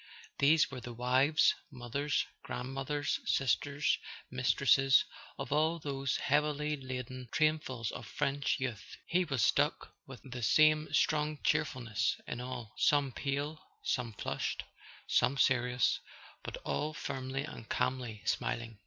These were the wives, mothers, grandmothers, sisters, mistresses of all those heavily laden trainfuls of French youth. He was struck with [ 95 ] A SON AT THE FRONT the same strong cheerfulness in all: some pale, some flushed, some serious, but all firmly and calmly smil¬ ing.